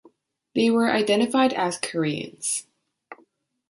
They were identified as Koreans.